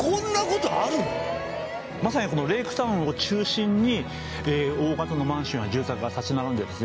まさにこのレイクタウンを中心に大型のマンションや住宅が立ち並んでですね